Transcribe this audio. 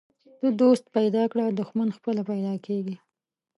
ته دوست پیدا کړه، دښمن پخپله پیدا کیږي.